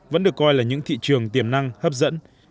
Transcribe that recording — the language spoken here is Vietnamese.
vẫn được coi là những thị trường tiềm năng hấp dẫn